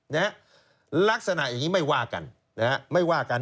นะฮะลักษณะอย่างนี้ไม่ว่ากันนะฮะไม่ว่ากัน